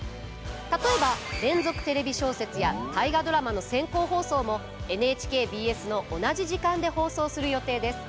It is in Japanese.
例えば「連続テレビ小説」や「大河ドラマ」の先行放送もＮＨＫＢＳの同じ時間で放送する予定です。